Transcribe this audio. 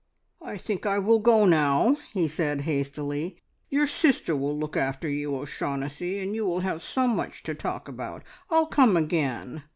"I think I will go now," he said hastily; "your sister will look after you, O'Shaughnessy, and you will have so much to talk about. I'll come again!"